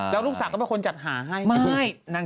แล้วลูกสาวก็เป็นคนจัดหาให้ไม่